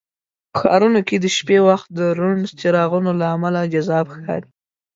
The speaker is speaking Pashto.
په ښارونو کې د شپې وخت د روڼ څراغونو له امله جذاب ښکاري.